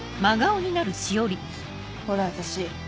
ほら私。